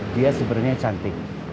dia sebenernya cantik